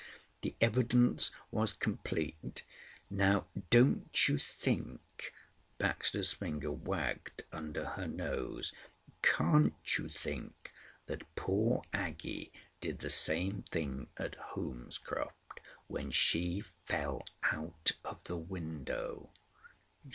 "The evidence was complete. Now, don't you think," Baxter's finger wagged under her nose—"can't you think that poor Aggie did the same thing at Holmescroft when she fell out of the window?"